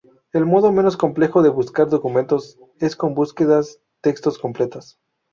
El modo menos complejo de buscar documentos es con búsquedas texto completas.